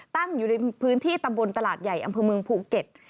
ตั้งอยู่ในพื้นที่ตำบลตลาดใหญ่อำเภอเมืองภูเก็ต